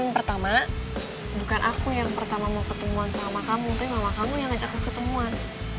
pertama bukan aku yang pertama mau ketemuan sama kamu tapi mama kamu yang ngajak ketemuan